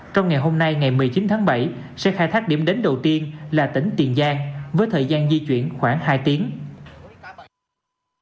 trong ngày hôm nay ngày một mươi chín tháng bảy sẽ khai thác điểm đến đầu tiên là tỉnh tiền giang với thời gian di chuyển khoảng hai tiếng